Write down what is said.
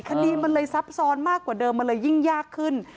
คดีมันเลยซับซ้อนมากกว่าเดิมมันเลยยิ่งยากขึ้น